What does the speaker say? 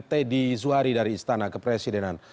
teddy zuhari dari istana kepresidenan